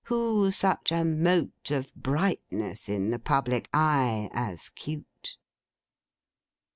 Who such a mote of brightness in the public eye, as Cute!